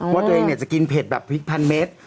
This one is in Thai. ว่าตัวเองจะกินเผ็ดแบบพริกพันเมตร